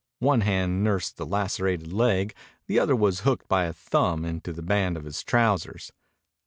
One hand nursed the lacerated leg. The other was hooked by the thumb into the band of his trousers.